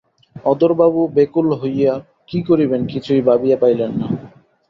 অধরবাবু ব্যাকুল হইয়া কী করিবেন কিছুই ভাবিয়া পাইলেন না।